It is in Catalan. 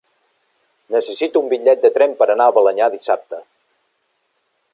Necessito un bitllet de tren per anar a Balenyà dissabte.